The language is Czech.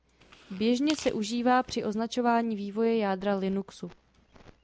Běžně se užívá při označování vývoje jádra Linuxu.